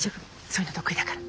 そういうの得意だから。